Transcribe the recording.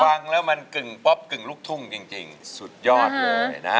ฟังแล้วมันกึ่งป๊อปกึ่งลูกทุ่งจริงสุดยอดเลยนะฮะ